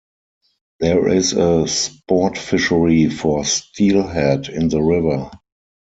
There is a sport fishery for steelhead in the river.